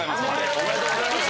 おめでとうございます。